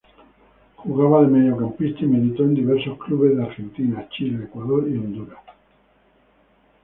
Jugaba de mediocampista y militó en diversos clubes de Argentina, Chile, Ecuador y Honduras.